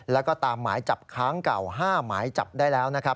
แล้วก็ตามหมายจับค้างเก่า๕หมายจับได้แล้วนะครับ